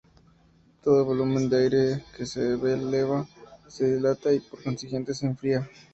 Todo volumen de aire que se eleva se "dilata" y, por consiguiente, se enfría.